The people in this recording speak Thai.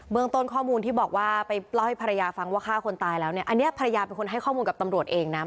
เมืองต้นข้อมูลที่บอกว่าไปเล่าให้ภรรยาฟังว่าฆ่าคนตายแล้วเนี่ยอันนี้ภรรยาเป็นคนให้ข้อมูลกับตำรวจเองนะ